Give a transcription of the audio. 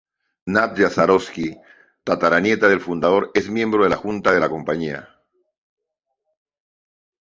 Nadja Swarovski, tataranieta del fundador, es miembro de la junta de la compañía.